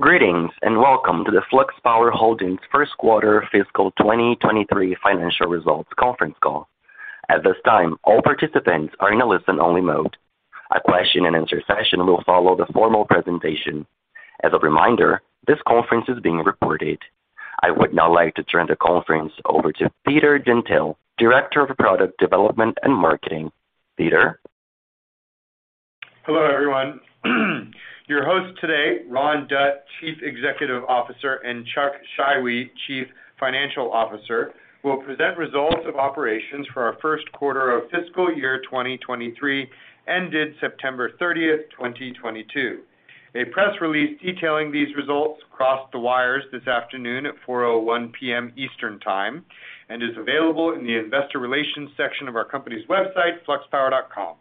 Greetings, and welcome to the Flux Power Holdings first quarter fiscal 2023 financial results conference call. At this time, all participants are in a listen-only mode. A question-and-answer session will follow the formal presentation. As a reminder, this conference is being recorded. I would now like to turn the conference over to Paulus Geantil, Director of Product Development and Marketing. Paulus? Hello, everyone. Your hosts today, Ron Dutt, Chief Executive Officer, and Chuck Scheiwe, Chief Financial Officer, will present results of operations for our first quarter of fiscal year 2023, ended September 30th, 2022. A press release detailing these results crossed the wires this afternoon at 4:01 P.M. Eastern Time, and is available in the investor relations section of our company's website, fluxpower.com.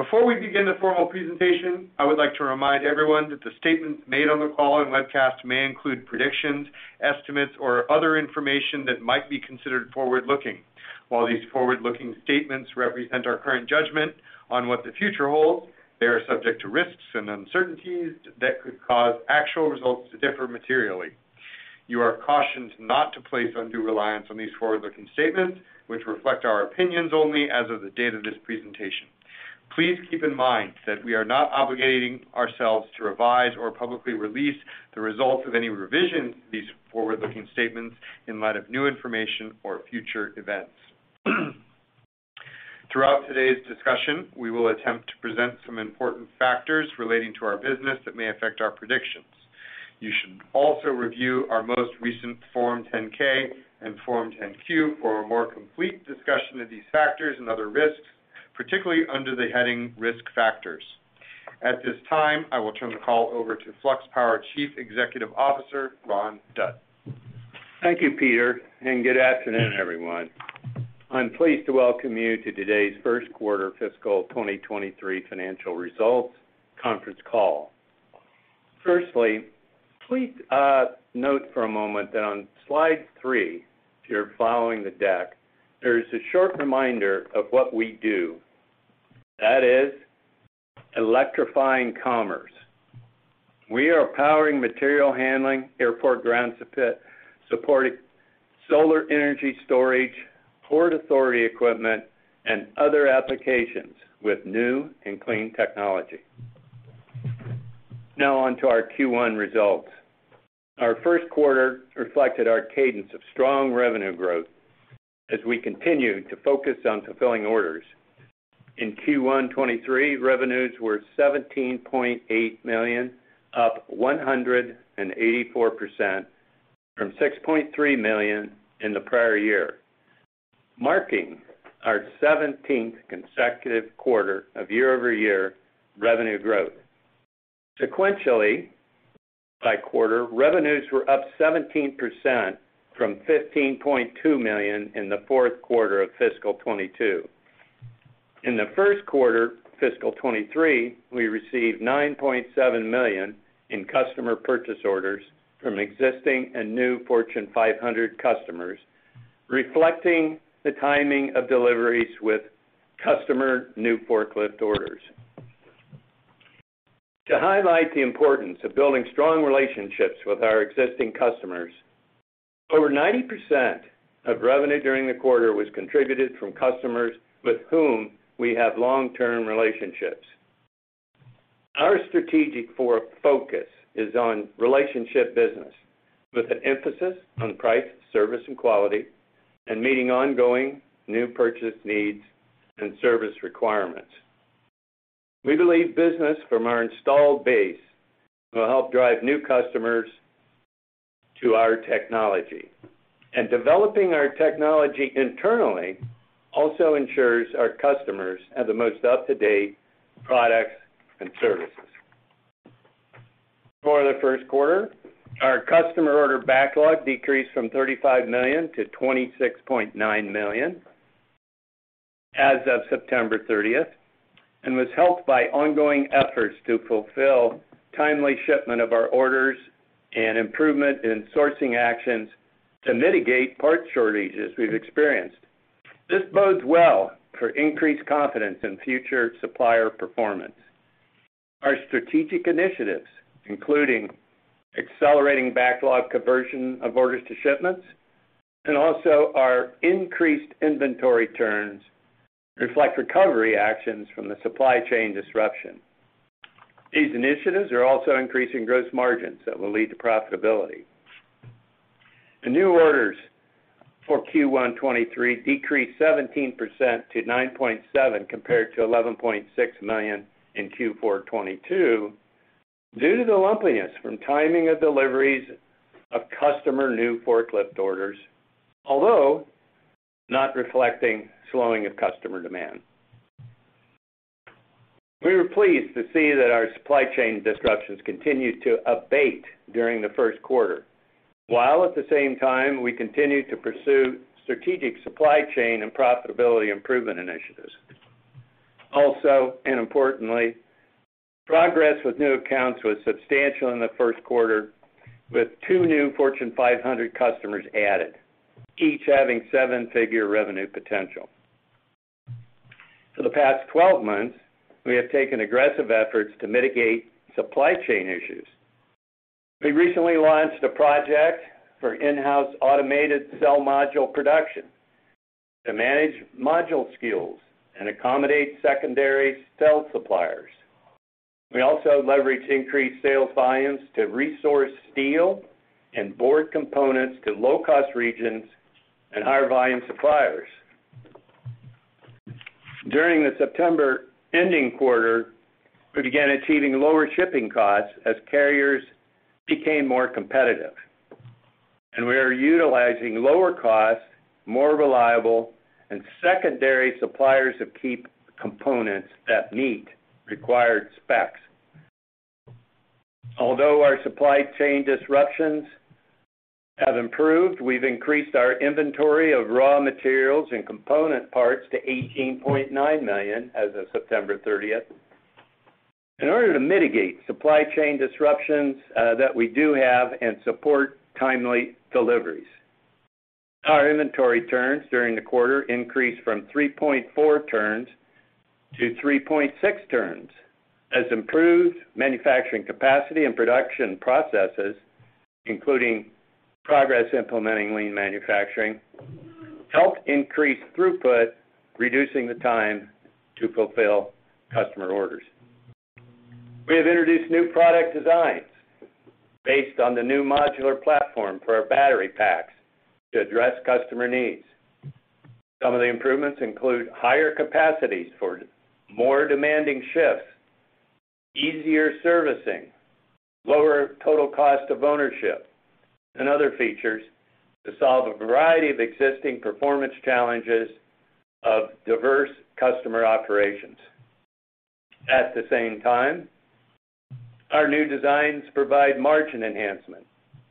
Before we begin the formal presentation, I would like to remind everyone that the statements made on the call and webcast may include predictions, estimates, or other information that might be considered forward-looking. While these forward-looking statements represent our current judgment on what the future holds, they are subject to risks and uncertainties that could cause actual results to differ materially. You are cautioned not to place undue reliance on these forward-looking statements, which reflect our opinions only as of the date of this presentation. Please keep in mind that we are not obligating ourselves to revise or publicly release the results of any revisions to these forward-looking statements in light of new information or future events. Throughout today's discussion, we will attempt to present some important factors relating to our business that may affect our predictions. You should also review our most recent Form 10-K and Form 10-Q for a more complete discussion of these factors and other risks, particularly under the heading Risk Factors. At this time, I will turn the call over to Flux Power Chief Executive Officer, Ron Dutt. Thank you, Paulus, and good afternoon, everyone. I'm pleased to welcome you to today's first quarter fiscal 2023 financial results conference call. Firstly, please note for a moment that on slide three, if you're following the deck, there is a short reminder of what we do. That is electrifying commerce. We are powering material handling, airport ground support, solar energy storage, port authority equipment, and other applications with new and clean technology. Now on to our Q1 results. Our first quarter reflected our cadence of strong revenue growth as we continued to focus on fulfilling orders. In Q1 2023, revenues were $17.8 million, up 184% from $6.3 million in the prior year, marking our 17th consecutive quarter of year-over-year revenue growth. Sequentially by quarter, revenues were up 17% from $15.2 million in the fourth quarter of fiscal 2022. In the first quarter of fiscal 2023, we received $9.7 million in customer purchase orders from existing and new Fortune 500 customers, reflecting the timing of deliveries with customer new forklift orders. To highlight the importance of building strong relationships with our existing customers, over 90% of revenue during the quarter was contributed from customers with whom we have long-term relationships. Our strategic focus is on relationship business with an emphasis on price, service, and quality, and meeting ongoing new purchase needs and service requirements. We believe business from our installed base will help drive new customers to our technology. Developing our technology internally also ensures our customers have the most up-to-date products and services. For the first quarter, our customer order backlog decreased from $35 million to $26.9 million as of September 30th and was helped by ongoing efforts to fulfill timely shipment of our orders and improvement in sourcing actions to mitigate part shortages we've experienced. This bodes well for increased confidence in future supplier performance. Our strategic initiatives, including accelerating backlog conversion of orders to shipments and also our increased inventory turns, reflect recovery actions from the supply chain disruption. These initiatives are also increasing gross margins that will lead to profitability. The new orders for Q1 2023 decreased 17% to $9.7 million, compared to $11.6 million in Q4 2022, due to the lumpiness from timing of deliveries of customer new forklift orders, although not reflecting slowing of customer demand. We were pleased to see that our supply chain disruptions continued to abate during the first quarter, while at the same time, we continued to pursue strategic supply chain and profitability improvement initiatives. Also, and importantly, progress with new accounts was substantial in the first quarter, with two new Fortune 500 customers added, each having seven-figure revenue potential. For the past 12 months, we have taken aggressive efforts to mitigate supply chain issues. We recently launched a project for in-house automated cell module production to manage module skills and accommodate secondary cell suppliers. We also leveraged increased sales volumes to resource steel and board components to low-cost regions and higher volume suppliers. During the September ending quarter, we began achieving lower shipping costs as carriers became more competitive, and we are utilizing lower cost, more reliable, and secondary suppliers of key components that meet required specs. Although our supply chain disruptions have improved, we've increased our inventory of raw materials and component parts to $18.9 million as of September 30th in order to mitigate supply chain disruptions that we do have and support timely deliveries. Our inventory turns during the quarter increased from 3.4 turns to 3.6 turns as improved manufacturing capacity and production processes, including progress implementing Lean manufacturing, helped increase throughput, reducing the time to fulfill customer orders. We have introduced new product designs based on the new modular platform for our battery packs to address customer needs. Some of the improvements include higher capacities for more demanding shifts, easier servicing, lower total cost of ownership, and other features to solve a variety of existing performance challenges of diverse customer operations. At the same time, our new designs provide margin enhancement,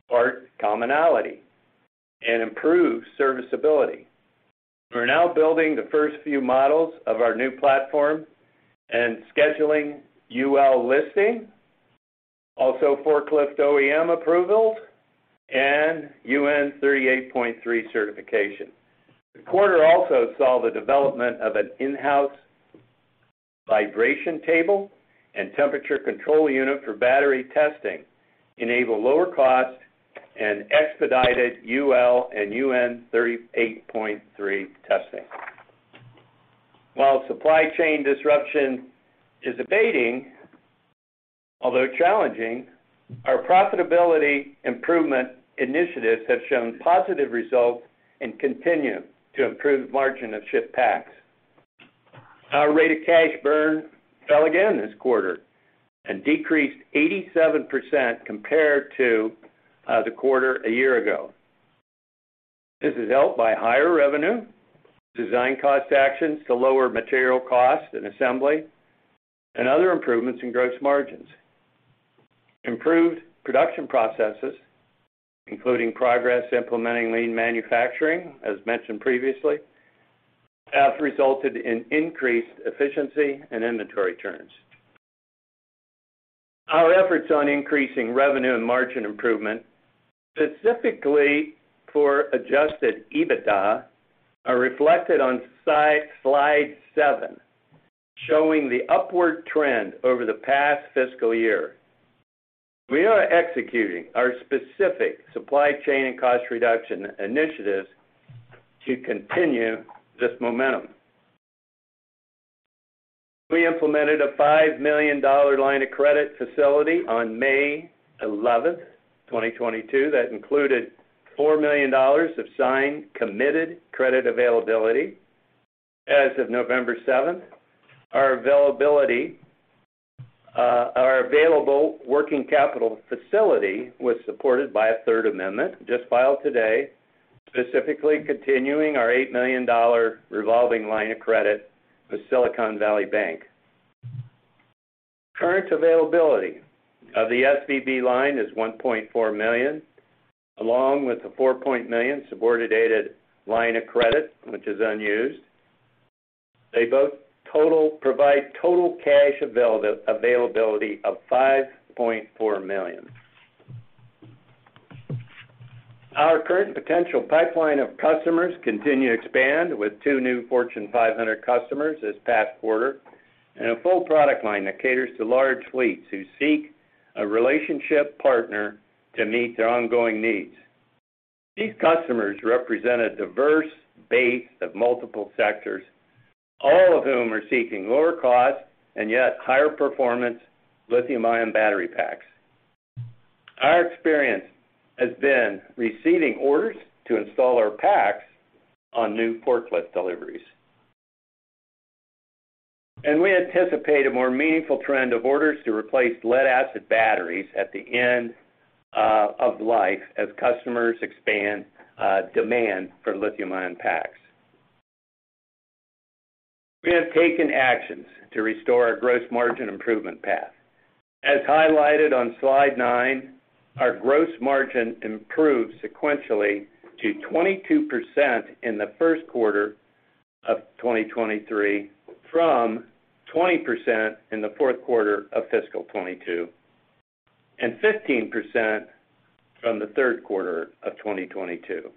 part commonality, and improved serviceability. We're now building the first few models of our new platform and scheduling UL listing, also forklift OEM approvals, and UN 38.3 certification. The quarter also saw the development of an in-house vibration table and temperature control unit for battery testing enable lower cost and expedited UL and UN 38.3 testing. While supply chain disruption is abating, although challenging, our profitability improvement initiatives have shown positive results and continue to improve margin of shipped packs. Our rate of cash burn fell again this quarter and decreased 87% compared to the quarter a year ago. This is helped by higher revenue, design cost actions to lower material cost and assembly, and other improvements in gross margins. Improved production processes, including progress implementing lean manufacturing, as mentioned previously, have resulted in increased efficiency and inventory turns. Our efforts on increasing revenue and margin improvement, specifically for Adjusted EBITDA, are reflected on slide seven, showing the upward trend over the past fiscal year. We are executing our specific supply chain and cost reduction initiatives to continue this momentum. We implemented a $5 million line of credit facility on May 11, 2022, that included $4 million of signed, committed credit availability. As of November 7, our availability, our available working capital facility was supported by a third amendment just filed today, specifically continuing our $8 million revolving line of credit with Silicon Valley Bank. Current availability of the SVB line is $1.4 million, along with the $4 million subordinated line of credit, which is unused. They both provide total cash availability of $5.4 million. Our current potential pipeline of customers continue to expand with two new Fortune 500 customers this past quarter and a full product line that caters to large fleets who seek a relationship partner to meet their ongoing needs. These customers represent a diverse base of multiple sectors, all of whom are seeking lower cost and yet higher performance lithium-ion battery packs. Our experience has been receiving orders to install our packs on new forklift deliveries. We anticipate a more meaningful trend of orders to replace lead-acid batteries at the end of life as customers expand demand for lithium-ion packs. We have taken actions to restore our gross margin improvement path. As highlighted on slide nine, our gross margin improved sequentially to 22% in the first quarter of 2023 from 20% in the fourth quarter of fiscal 2022. 15% from the third quarter of 2022.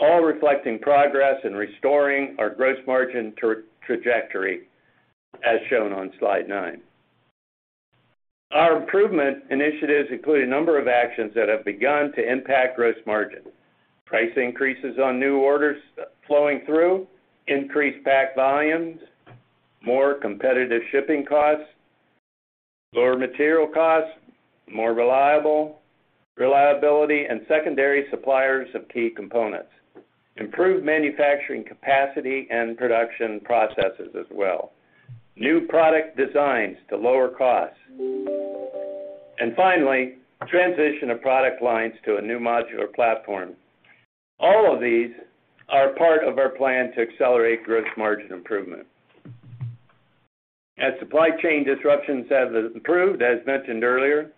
All reflecting progress in restoring our gross margin trajectory, as shown on slide nine. Our improvement initiatives include a number of actions that have begun to impact gross margin. Price increases on new orders flowing through, increased pack volumes, more competitive shipping costs, lower material costs, more reliable secondary suppliers of key components, improved manufacturing capacity and production processes as well. New product designs to lower costs. Finally, transition of product lines to a new modular platform. All of these are part of our plan to accelerate gross margin improvement. As supply chain disruptions have improved, as mentioned earlier,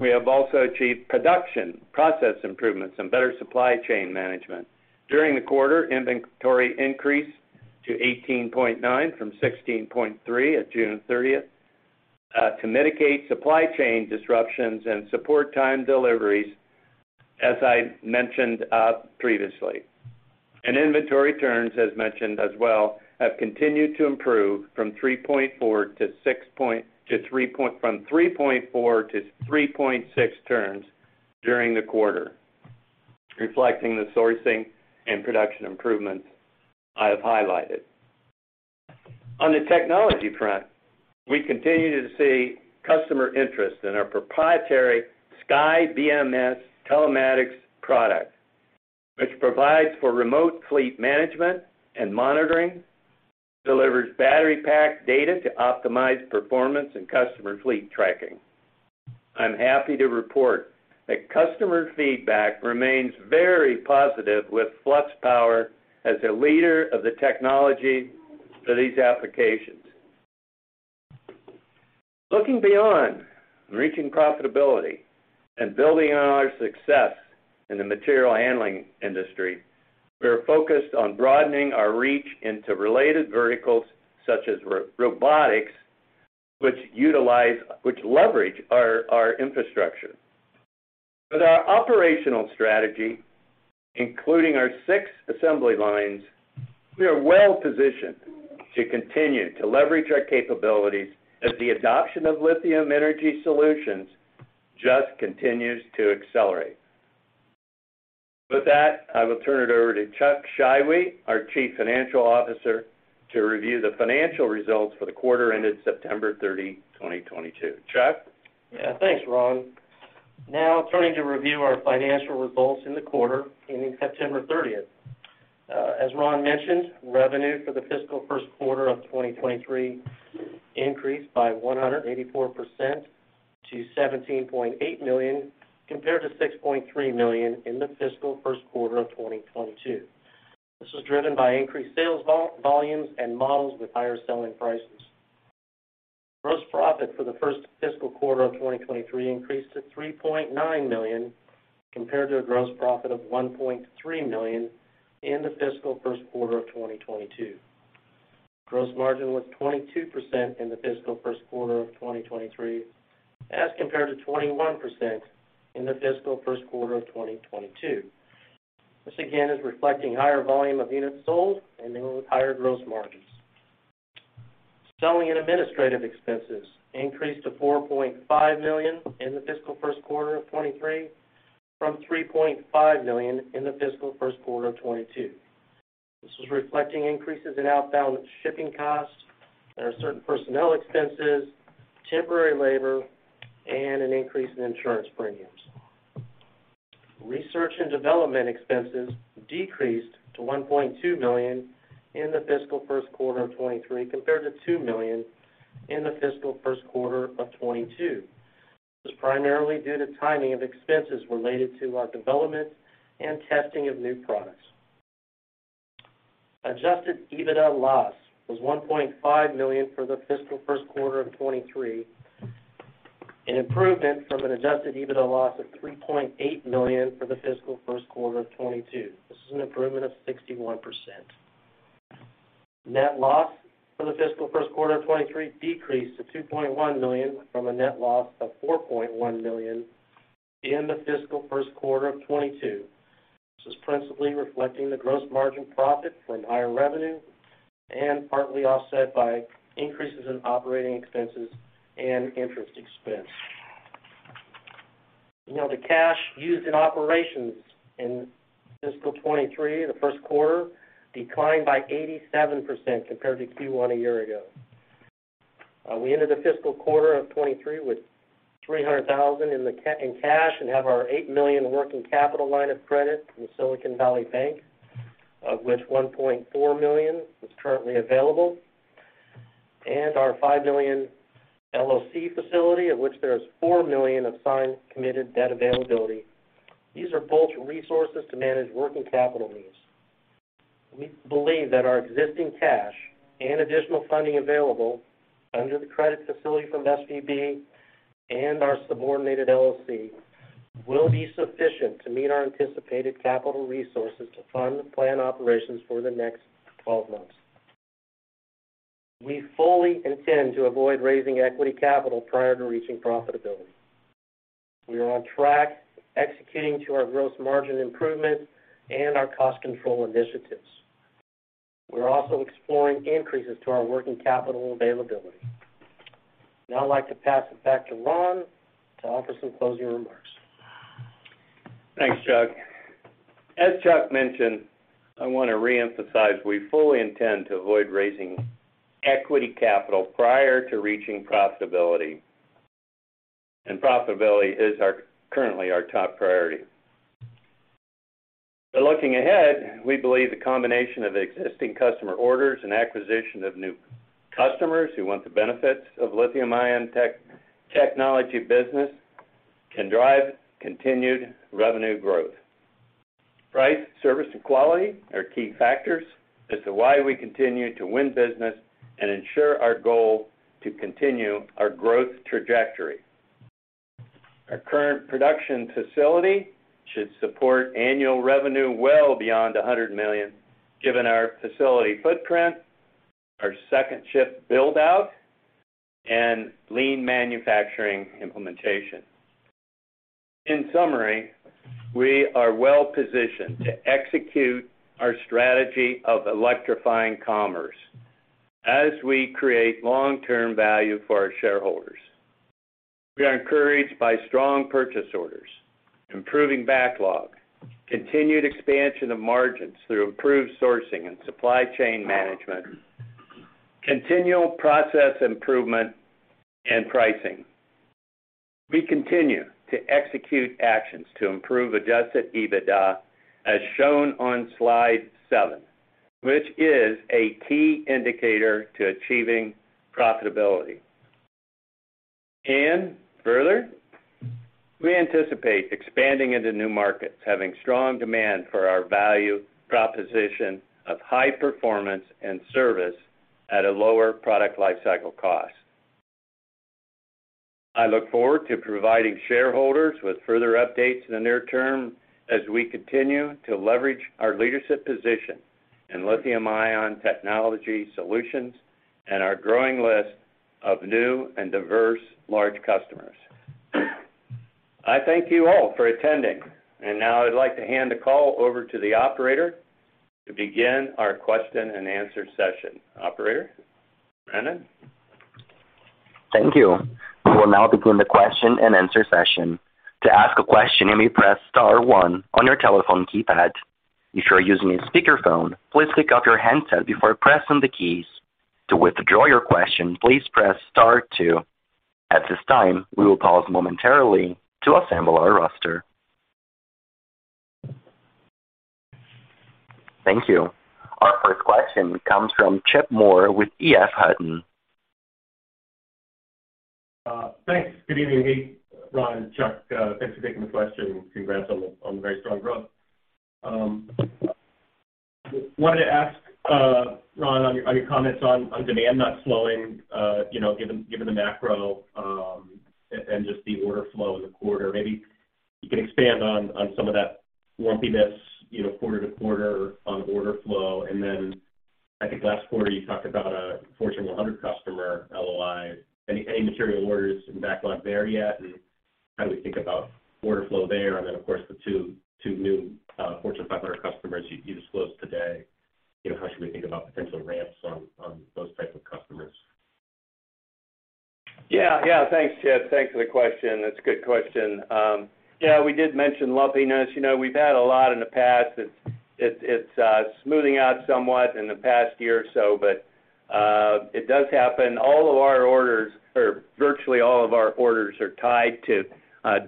we have also achieved production process improvements and better supply chain management. During the quarter, inventory increased to 18.9 from 16.3 at June 30 to mitigate supply chain disruptions and support timely deliveries, as I mentioned, previously. Inventory turns, as mentioned as well, have continued to improve from 3.4 to 3.6 turns during the quarter, reflecting the sourcing and production improvements I have highlighted. On the technology front, we continue to see customer interest in our proprietary SkyBMS telematics product, which provides for remote fleet management and monitoring, delivers battery pack data to optimize performance and customer fleet tracking. I'm happy to report that customer feedback remains very positive with Flux Power as a leader of the technology for these applications. Looking beyond reaching profitability and building on our success in the material handling industry, we are focused on broadening our reach into related verticals such as robotics, which leverage our infrastructure. With our operational strategy, including our six assembly lines, we are well positioned to continue to leverage our capabilities as the adoption of lithium energy solutions just continues to accelerate. With that, I will turn it over to Chuck Scheiwe, our Chief Financial Officer, to review the financial results for the quarter ended September 30, 2022. Chuck? Yeah. Thanks, Ron. Now turning to review our financial results in the quarter ending September 30th. As Ron mentioned, revenue for the fiscal first quarter of 2023 increased by 184% to $17.8 million, compared to $6.3 million in the fiscal first quarter of 2022. This was driven by increased sales volumes and models with higher selling prices. Gross profit for the first fiscal quarter of 2023 increased to $3.9 million, compared to a gross profit of $1.3 million in the fiscal first quarter of 2022. Gross margin was 22% in the fiscal first quarter of 2023, as compared to 21% in the fiscal first quarter of 2022. This again is reflecting higher volume of units sold and with higher gross margins. Selling and administrative expenses increased to $4.5 million in the fiscal first quarter of 2023 from $3.5 million in the fiscal first quarter of 2022. This is reflecting increases in outbound shipping costs and certain personnel expenses, temporary labor, and an increase in insurance premiums. Research and development expenses decreased to $1.2 million in the fiscal first quarter of 2023, compared to $2 million in the fiscal first quarter of 2022. This is primarily due to timing of expenses related to our development and testing of new products. Adjusted EBITDA loss was $1.5 million for the fiscal first quarter of 2023, an improvement from an adjusted EBITDA loss of $3.8 million for the fiscal first quarter of 2022. This is an improvement of 61%. Net loss for the fiscal first quarter of 2023 decreased to $2.1 million from a net loss of $4.1 million in the fiscal first quarter of 2022. This is principally reflecting the gross margin profit from higher revenue and partly offset by increases in operating expenses and interest expense. Now, the cash used in operations in fiscal 2023, the first quarter, declined by 87% compared to Q1 a year ago. We ended the fiscal quarter of 2023 with $300,000 in cash and have our $8 million working capital line of credit from Silicon Valley Bank, of which $1.4 million is currently available, and our $5 million LOC facility, of which there is $4 million of signed, committed debt availability. These are both resources to manage working capital needs. We believe that our existing cash and additional funding available under the credit facility from SVB and our subordinated LOC will be sufficient to meet our anticipated capital resources to fund planned operations for the next 12 months. We fully intend to avoid raising equity capital prior to reaching profitability. We are on track executing to our gross margin improvement and our cost control initiatives. We're also exploring increases to our working capital availability. Now I'd like to pass it back to Ron to offer some closing remarks. Thanks, Chuck. As Chuck mentioned, I wanna reemphasize, we fully intend to avoid raising equity capital prior to reaching profitability, and profitability is currently our top priority. Looking ahead, we believe the combination of existing customer orders and acquisition of new customers who want the benefits of lithium-ion technology business can drive continued revenue growth. Price, service, and quality are key factors as to why we continue to win business and ensure our goal to continue our growth trajectory. Our current production facility should support annual revenue well beyond $100 million, given our facility footprint, our second shift build-out, and lean manufacturing implementation. In summary, we are well-positioned to execute our strategy of electrifying commerce as we create long-term value for our shareholders. We are encouraged by strong purchase orders, improving backlog, continued expansion of margins through improved sourcing and supply chain management, continual process improvement and pricing. We continue to execute actions to improve Adjusted EBITDA as shown on slide 7, which is a key indicator to achieving profitability. Further, we anticipate expanding into new markets, having strong demand for our value proposition of high performance and service at a lower product life cycle cost. I look forward to providing shareholders with further updates in the near term as we continue to leverage our leadership position in lithium-ion technology solutions and our growing list of new and diverse large customers. I thank you all for attending, and now I'd like to hand the call over to the operator to begin our question and answer session. Operator. Brendan. Thank you. We'll now begin the question and answer session. To ask a question, you may press star one on your telephone keypad. If you are using a speakerphone, please pick up your handset before pressing the keys. To withdraw your question, please press star two. At this time, we will pause momentarily to assemble our roster. Thank you. Our first question comes from Chip Moore with EF Hutton. Thanks. Good evening. Hey, Ron and Chuck. Thanks for taking the question. Congrats on the very strong growth. Wanted to ask, Ron, on your comments on demand not slowing, you know, given the macro, and just the order flow in the quarter. Maybe you can expand on some of that lumpiness, you know, quarter to quarter on order flow. I think last quarter you talked about a Fortune 100 customer LOI. Any material orders in backlog there yet? How do we think about order flow there? Of course, the two new Fortune 500 customers you disclosed today. You know, how should we think about potential ramps on those type of customers? Yeah. Yeah. Thanks, Chip. Thanks for the question. That's a good question. Yeah, we did mention lumpiness. You know, we've had a lot in the past. It's smoothing out somewhat in the past year or so, but it does happen. All of our orders or virtually all of our orders are tied to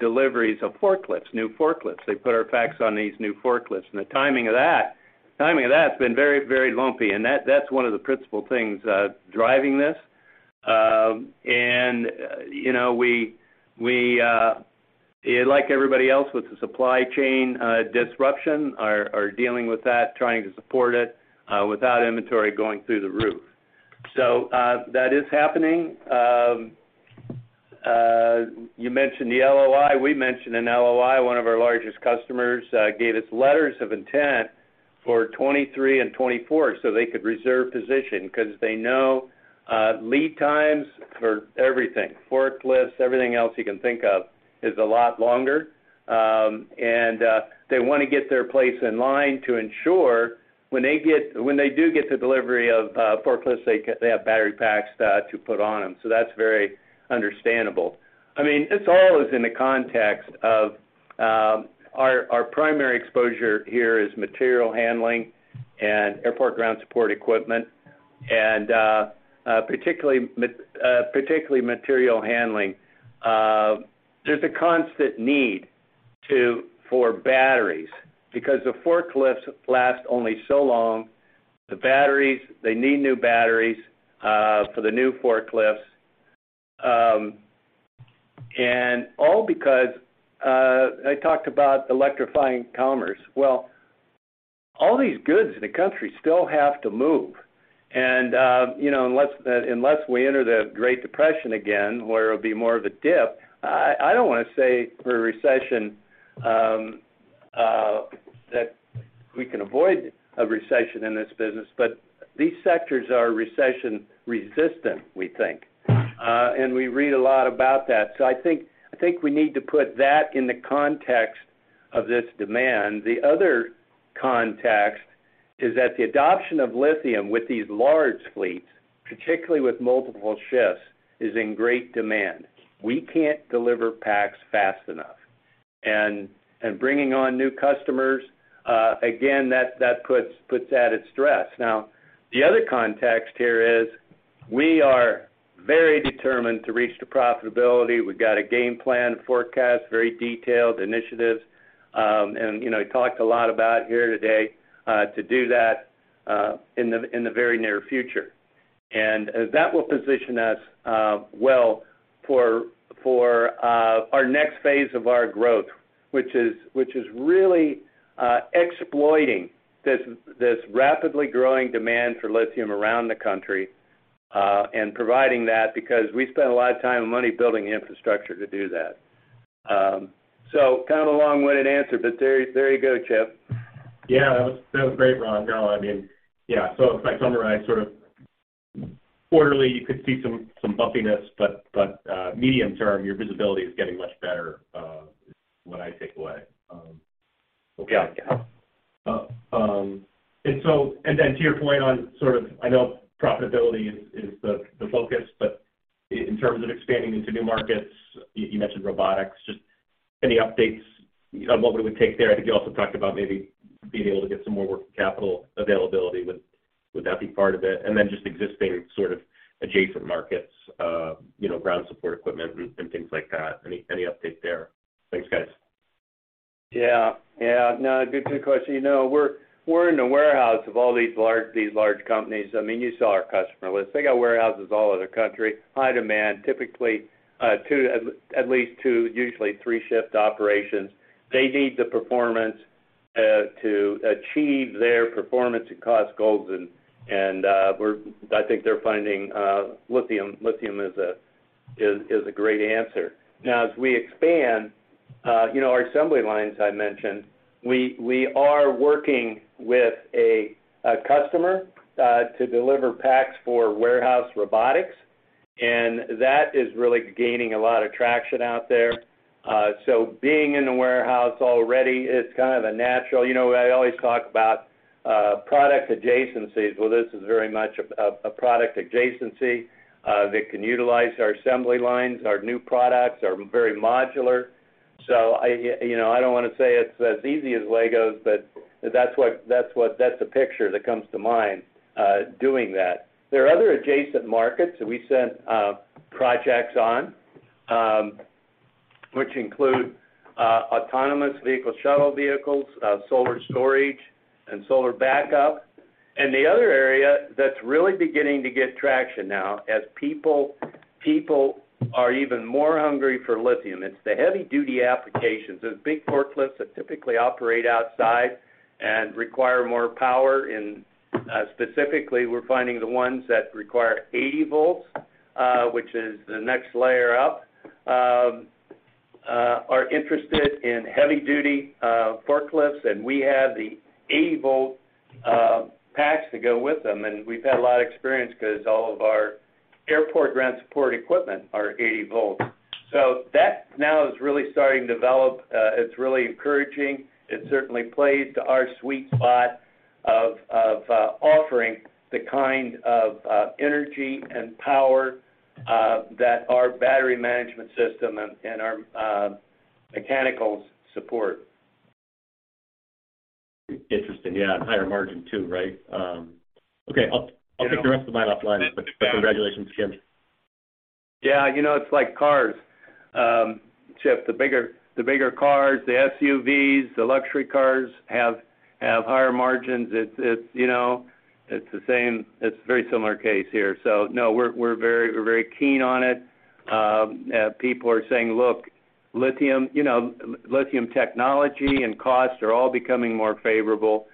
deliveries of forklifts, new forklifts. They put our packs on these new forklifts. The timing of that's been very, very lumpy, and that's one of the principal things driving this. You know, we like everybody else with the supply chain disruption are dealing with that, trying to support it without inventory going through the roof. That is happening. You mentioned the LOI. We mentioned an LOI. One of our largest customers gave us letters of intent for 2023 and 2024, so they could reserve position, because they know lead times for everything, forklifts, everything else you can think of, is a lot longer. They wanna get their place in line to ensure when they do get the delivery of forklifts, they have battery packs to put on them. That's very understandable. I mean, this all is in the context of our primary exposure here is material handling and airport ground support equipment, and particularly material handling. There's a constant need for batteries because the forklifts last only so long. The batteries, they need new batteries for the new forklifts. All because I talked about electrifying commerce. Well, all these goods in the country still have to move. You know, unless we enter the Great Depression again, where it'll be more of a dip, I don't wanna say for a recession, that we can avoid a recession in this business, but these sectors are recession-resistant, we think. We read a lot about that. I think we need to put that in the context of this demand. The other context is that the adoption of lithium with these large fleets, particularly with multiple shifts, is in great demand. We can't deliver packs fast enough. Bringing on new customers, again, that puts added stress. Now, the other context here is we are very determined to reach the profitability. We've got a game plan forecast, very detailed initiatives, and, you know, talked a lot about here today, to do that, in the very near future. That will position us, well for, our next phase of our growth, which is really, exploiting this rapidly growing demand for lithium around the country, and providing that because we spent a lot of time and money building infrastructure to do that. So kind of a long-winded answer, but there you go, Chip. Yeah, that was great, Ron. No, I mean, yeah. If I summarize sort of quarterly, you could see some bumpiness, but medium term, your visibility is getting much better, is what I take away. Okay. To your point on sort of I know profitability is the focus, but in terms of expanding into new markets, you mentioned robotics. Just any updates on what would it take there? I think you also talked about maybe being able to get some more working capital availability. Would that be part of it? Just existing sort of adjacent markets, you know, ground support equipment and things like that. Any update there? Thanks, guys. Yeah. Yeah. No, good question. You know, we're in a warehouse of all these large companies. I mean, you saw our customer list. They got warehouses all over the country, high demand, typically at least two, usually three shift operations. They need the performance to achieve their performance and cost goals. I think they're finding lithium is a great answer. Now, as we expand, you know, our assembly lines, I mentioned, we are working with a customer to deliver packs for warehouse robotics, and that is really gaining a lot of traction out there. So being in the warehouse already, it's kind of a natural. You know, I always talk about product adjacencies. This is very much a product adjacency that can utilize our assembly lines. Our new products are very modular. I, you know, don't wanna say it's as easy as Legos, but that's the picture that comes to mind doing that. There are other adjacent markets that we spent projects on, which include autonomous vehicle, shuttle vehicles, solar storage and solar backup. The other area that's really beginning to get traction now as people are even more hungry for lithium. It's the heavy-duty applications, the big forklifts that typically operate outside and require more power. Specifically, we're finding the ones that require 80 volts, which is the next layer up, are interested in heavy-duty forklifts, and we have the 80-volt packs to go with them. We've had a lot of experience because all of our airport ground support equipment are 80 volt. That now is really starting to develop. It's really encouraging. It certainly plays to our sweet spot of offering the kind of energy and power that our battery management system and our mechanicals support. Interesting. Yeah, higher margin too, right? Okay. I'll take the rest of mine offline, but congratulations again. Yeah. You know, it's like cars, Chip. The bigger cars, the SUVs, the luxury cars have higher margins. You know, it's the same, it's a very similar case here. No, we're very keen on it. People are saying, "Look, lithium technology and cost are all becoming more favorable."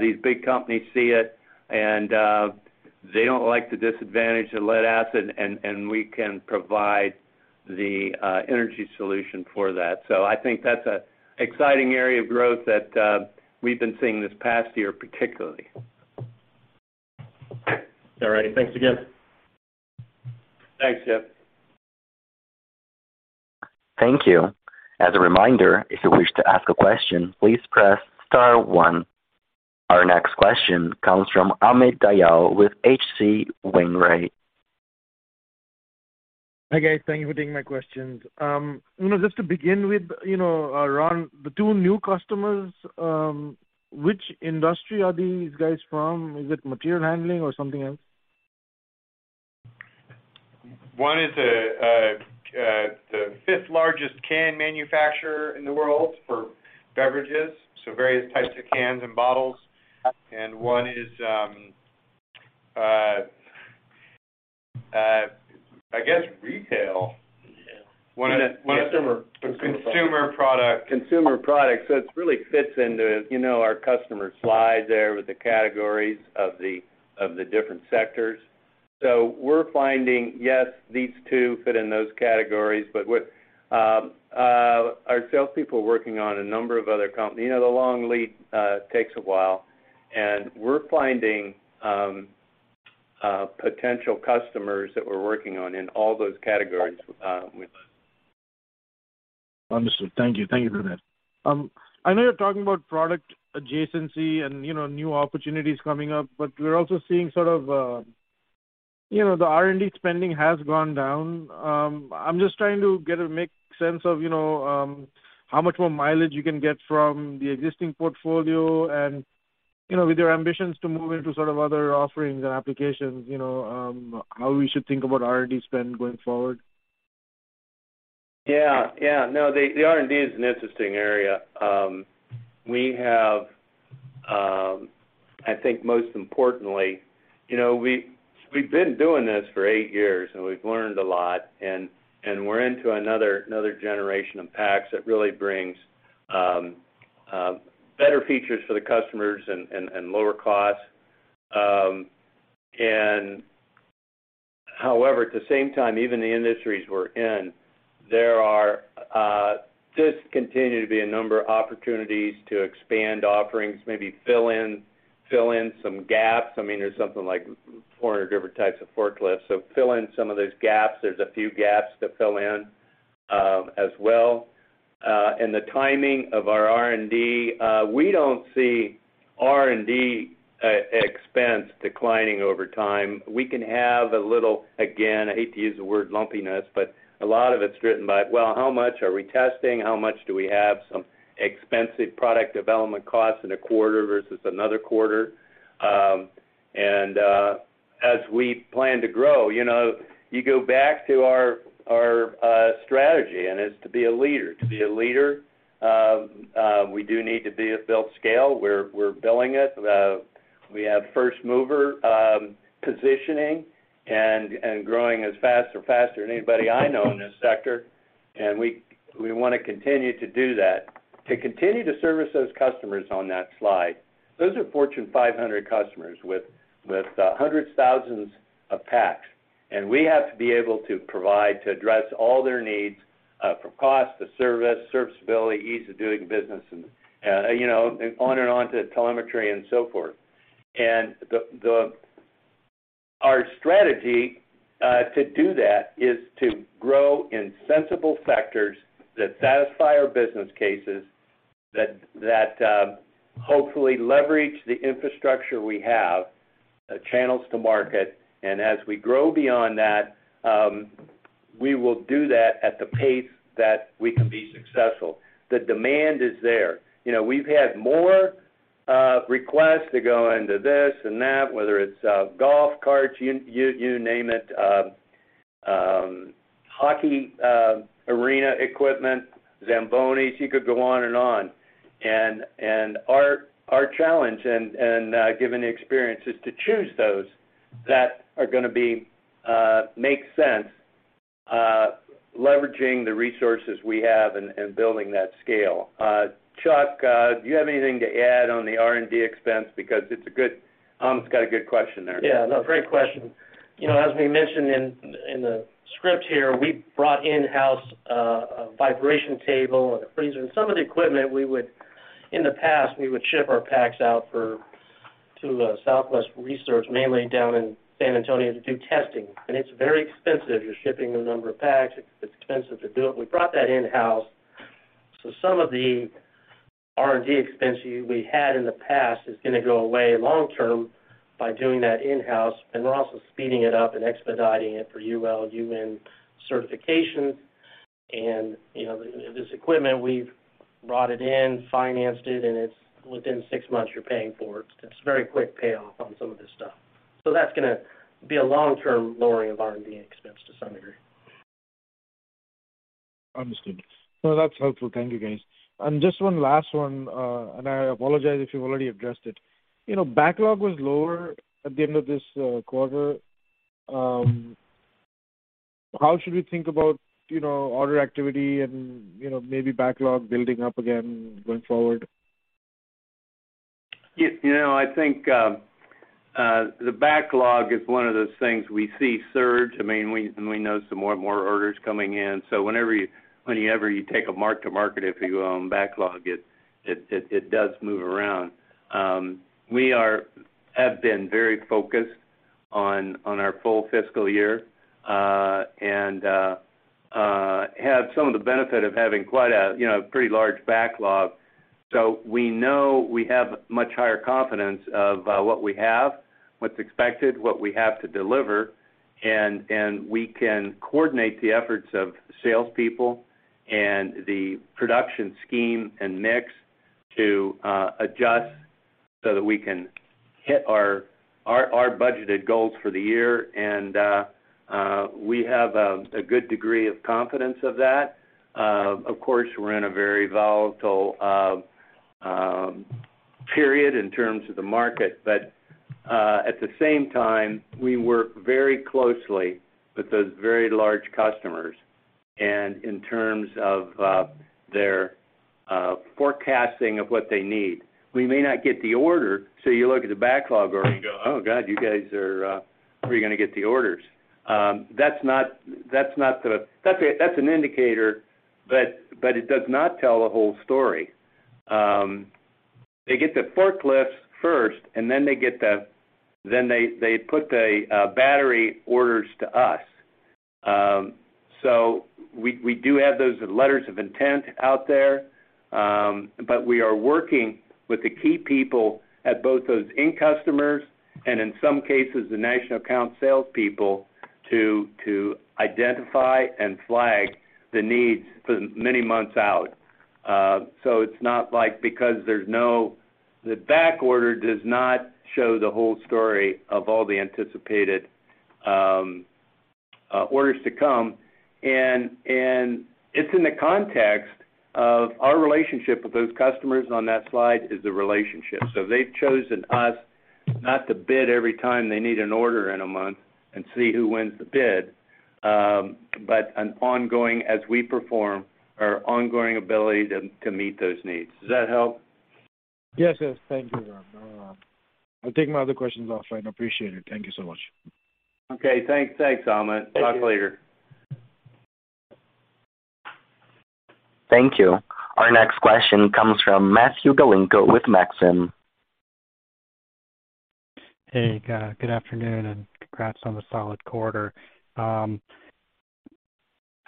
These big companies see it and they don't like the disadvantage of lead-acid, and we can provide the energy solution for that. I think that's an exciting area of growth that we've been seeing this past year, particularly. All right. Thanks again. Thanks, Chip. Thank you. As a reminder, if you wish to ask a question, please press star one. Our next question comes from Amit Dayal with H.C. Wainwright. Hi, guys. Thank you for taking my questions. You know, just to begin with, you know, Ron, the two new customers, which industry are these guys from? Is it material handling or something else? One is the fifth-largest can manufacturer in the world for beverages, so various types of cans and bottles. One is, I guess, retail. Yeah. One. Consumer. Consumer product. It really fits into, you know, our customer slide there with the categories of the different sectors. We're finding, yes, these two fit in those categories, but what our salespeople are working on a number of other. You know, the long lead takes a while, and we're finding potential customers that we're working on in all those categories with us. Understood. Thank you. Thank you for that. I know you're talking about product adjacency and, you know, new opportunities coming up, but we're also seeing sort of, you know, the R&D spending has gone down. I'm just trying to make sense of, you know, how much more mileage you can get from the existing portfolio and, you know, with your ambitions to move into sort of other offerings and applications, you know, how we should think about R&D spend going forward. No, the R&D is an interesting area. We have, I think most importantly, you know, we've been doing this for eight years, and we've learned a lot, and we're into another generation of packs that really brings better features for the customers and lower costs. However, at the same time, even the industries we're in, there are just continue to be a number of opportunities to expand offerings, maybe fill in some gaps. I mean, there's something like 400 different types of forklifts. So fill in some of those gaps. There's a few gaps to fill in as well. The timing of our R&D, we don't see R&D expense declining over time. We can have a little, again, I hate to use the word lumpiness, but a lot of it's driven by, well, how much are we testing? How much do we have? Some expensive product development costs in a quarter versus another quarter. As we plan to grow, you know, you go back to our strategy, and it's to be a leader. To be a leader, we do need to be at build scale. We're building it. We have first mover positioning and growing as fast or faster than anybody I know in this sector. We wanna continue to do that. To continue to service those customers on that slide, those are Fortune 500 customers with hundreds, thousands of packs. We have to be able to provide, to address all their needs, from cost to service, serviceability, ease of doing business, and, you know, on and on to telemetry and so forth. Our strategy to do that is to grow in sensible sectors that satisfy our business cases, that hopefully leverage the infrastructure we have, channels to market. As we grow beyond that, we will do that at the pace that we can be successful. The demand is there. You know, we've had more requests to go into this and that, whether it's golf carts, you name it, hockey arena equipment, Zambonis. You could go on and on. Our challenge and given the experience is to choose those that are gonna make sense, leveraging the resources we have and building that scale. Chuck, do you have anything to add on the R&D expense? Because it's a good question. Amit's got a good question there. Yeah. No, great question. You know, as we mentioned in the script here, we brought in-house a vibration table and a freezer and some of the equipment we would in the past ship our packs out for to Southwest Research, mainly down in San Antonio, to do testing. It's very expensive. You're shipping a number of packs. It's expensive to do it. We brought that in-house. Some of the R&D expense we had in the past is gonna go away long term by doing that in-house, and we're also speeding it up and expediting it for UL/UN certification. You know, this equipment, we've brought it in, financed it, and it's within six months you're paying for it. It's very quick payoff on some of this stuff. That's gonna be a long-term lowering of R&D expense to some degree. Understood. No, that's helpful. Thank you, guys. Just one last one, and I apologize if you've already addressed it. You know, backlog was lower at the end of this quarter. How should we think about, you know, order activity and, you know, maybe backlog building up again going forward? You know, I think the backlog is one of those things we see surge. I mean, we know some more and more orders coming in. Whenever you take a mark to market, if you own backlog, it does move around. We have been very focused on our full fiscal year and have some of the benefit of having quite a you know pretty large backlog. We know we have much higher confidence of what we have, what's expected, what we have to deliver, and we can coordinate the efforts of salespeople and the production scheme and mix to adjust so that we can hit our budgeted goals for the year. We have a good degree of confidence of that. Of course, we're in a very volatile period in terms of the market. At the same time, we work very closely with those very large customers, and in terms of their forecasting of what they need. We may not get the order, so you look at the backlog order and you go, "Oh, God, you guys are where are you gonna get the orders?" That's not the indicator, but it does not tell the whole story. They get the forklifts first, and then they put the battery orders to us. We do have those letters of intent out there, but we are working with the key people at both those end customers and in some cases, the national account salespeople to identify and flag the needs for many months out. The back order does not show the whole story of all the anticipated orders to come. It's in the context of our relationship with those customers on that slide is the relationship. They've chosen us not to bid every time they need an order in a month and see who wins the bid, but an ongoing as we perform our ongoing ability to meet those needs. Does that help? Yes, yes. Thank you. I'll take my other questions offline. Appreciate it. Thank you so much. Okay. Thanks, Amit Dayal. Thank you. Talk to you later. Thank you. Our next question comes from Matthew Galinko with Maxim. Hey, guys. Good afternoon, and congrats on the solid quarter. I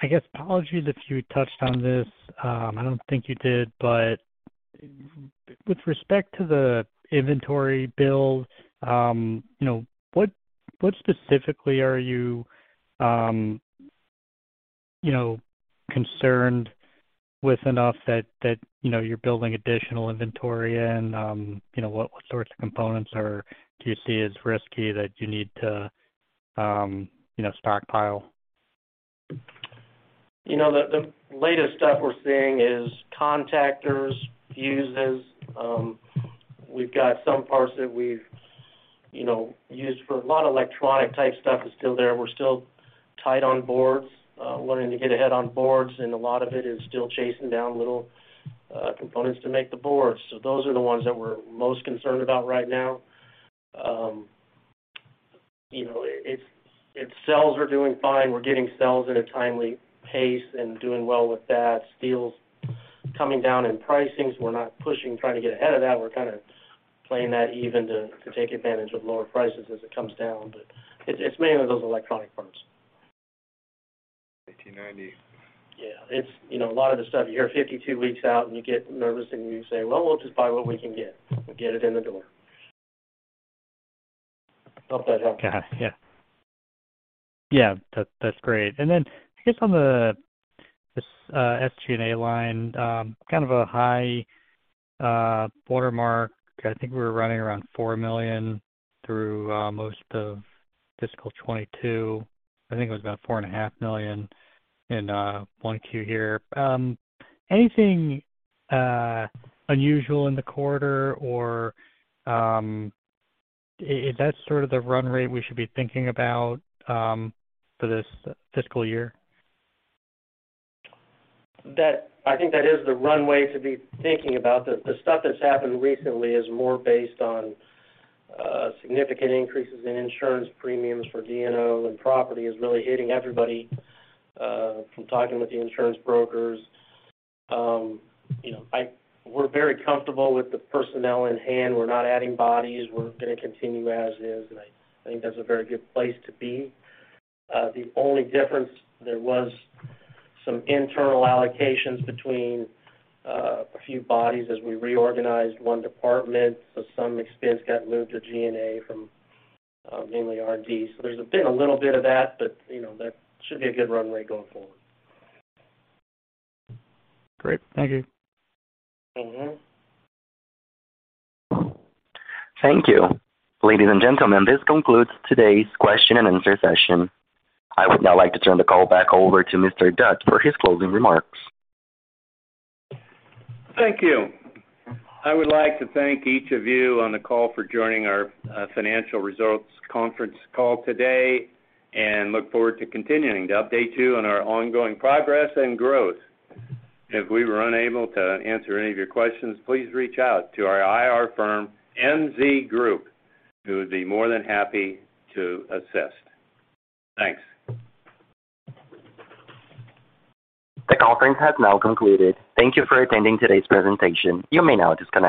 guess, apologies if you touched on this. I don't think you did, but with respect to the inventory build, you know, what specifically are you know, concerned with enough that you know you're building additional inventory and you know what sorts of components do you see as risky that you need to you know stockpile? You know, the latest stuff we're seeing is contactors, fuses. We've got some parts that we've, you know, used for a lot of electronic-type stuff is still there. We're still tight on boards, learning to get ahead on boards, and a lot of it is still chasing down little components to make the boards. Those are the ones that we're most concerned about right now. You know, it's cells are doing fine. We're getting cells at a timely pace and doing well with that. Steel's coming down in pricing, so we're not pushing, trying to get ahead of that. We're kinda playing that even to take advantage of lower prices as it comes down. It's mainly those electronic parts. 1890. Yeah. It's, you know, a lot of the stuff, you're 52 weeks out and you get nervous and you say, "Well, we'll just buy what we can get and get it in the door." Hope that helped. Got it. Yeah. Yeah. That's great. I guess on this SG&A line, kind of a high watermark. I think we were running around $4 million through most of fiscal 2022. I think it was about $4.5 million in 1Q here. Anything unusual in the quarter or is that sort of the run rate we should be thinking about for this fiscal year? I think that is the runway to be thinking about. The stuff that's happened recently is more based on significant increases in insurance premiums for D&O, and property is really hitting everybody from talking with the insurance brokers. You know, we're very comfortable with the personnel in hand. We're not adding bodies. We're gonna continue as is, and I think that's a very good place to be. The only difference, there was some internal allocations between a few bodies as we reorganized one department. So some expense got moved to G&A from mainly R&D. So there's been a little bit of that, but you know, that should be a good runway going forward. Great. Thank you. Mm-hmm. Thank you. Ladies and gentlemen, this concludes today's question and answer session. I would now like to turn the call back over to Mr. Dutt for his closing remarks. Thank you. I would like to thank each of you on the call for joining our financial results conference call today, and look forward to continuing to update you on our ongoing progress and growth. If we were unable to answer any of your questions, please reach out to our IR firm, Shelton Group, who would be more than happy to assist. Thanks. The conference has now concluded. Thank you for attending today's presentation. You may now disconnect.